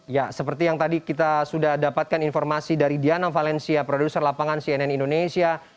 ya seperti yang tadi kita sudah dapatkan informasi dari diana valencia produser lapangan cnn indonesia